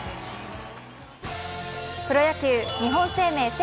プロ野球日本生命セ